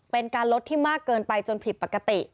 เป็นการลดที่มากเกินไปจนผิดปกติ